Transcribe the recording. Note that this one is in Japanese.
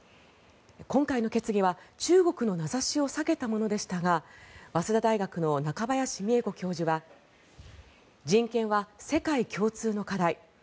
今回の決議は中国の名指しを避けたものでしたが早稲田大学の中林美恵子教授は人権は世界共通の課題